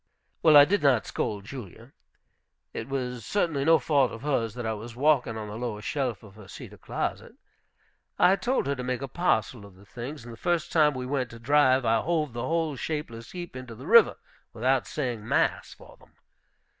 Well, I did not scold Julia. It was certainly no fault of hers that I was walking on the lower shelf of her cedar closet. I told her to make a parcel of the things, and the first time we went to drive I hove the whole shapeless heap into the river, without saying mass for them.